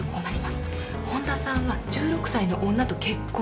本多さんは１６歳の女と結婚した。